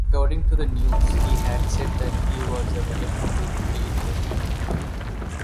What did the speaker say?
According to the news, he had said that he was available to aid them.